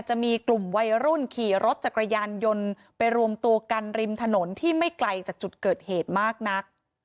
จะมีกลุ่มวัยรุ่นขี่รถจักรยานยนต์ไปรวมตัวกันริมถนนที่ไม่ไกลจากจุดเกิดเหตุมากนัก